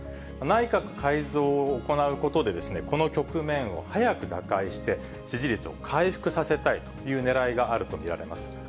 内閣改造を行うことでですね、この局面を早く打開して、支持率を回復させたいというねらいがあると見られます。